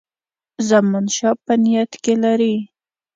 زمانشاه په نیت کې لري.